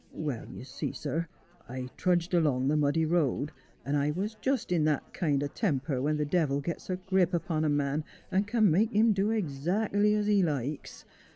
Well you see, sir, I trudged along the muddy road, and I was just in that kind o' temper when the devil gets a grip upon a man and can make him do ekzackerly as he likes.